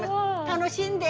楽しんで！